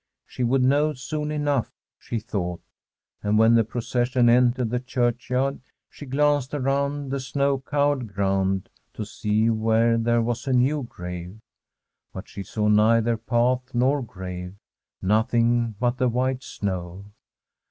She would know soon enough, she thought; and when the procession entered the churchyard, she glanced around the snow covered ground to see where there was a new grave ; but she saw neither path nor grave — noth ing but the white snow.